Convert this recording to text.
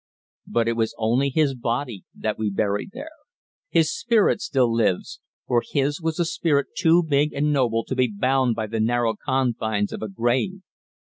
But it was only his body that we buried there. His spirit still lives, for his was a spirit too big and noble to be bound by the narrow confines of a grave.